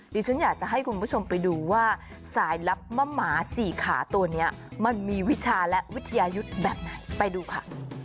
ดิฉันอยากจะให้คุณผู้ชมไปดูว่าสายลับมะหมาสี่ขาตัวนี้มันมีวิชาและวิทยายุทธ์แบบไหนไปดูค่ะ